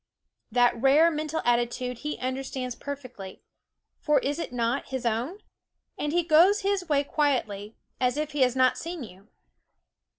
That rare mental attitude he understands perfectly for is it not his own ? and he goes his way quietly, as if he had not seen you.